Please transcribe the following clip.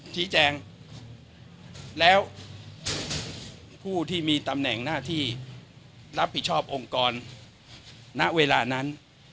ชี้แจงแล้วผู้ที่มีตำแหน่งหน้าที่รับผิดชอบองค์กรณเวลานั้น